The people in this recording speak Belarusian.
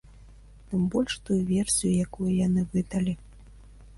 Тым больш тую версію, якую яны выдалі.